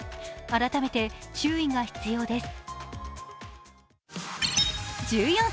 改めて注意が必要です。